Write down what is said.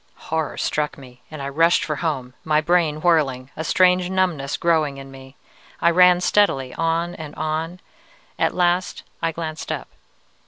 "Horror struck me, and I rushed for home, my brain whirling, a strange numbness growing in me. I ran steadily, on and on. At last I glanced up.